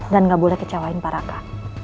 dan gak boleh kecewain pak raka